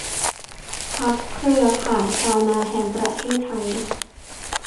พรรคเครือข่ายชาวนาแห่งประเทศไทย